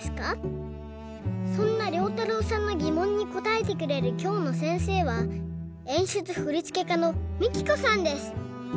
そんなりょうたろうさんのぎもんにこたえてくれるきょうのせんせいはえんしゅつふりつけかのＭＩＫＩＫＯさんです。